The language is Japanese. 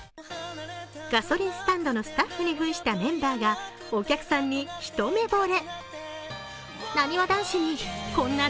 ガソリンスタンドのスタッフにふんしたメンバーがお客さんに一目ぼれ。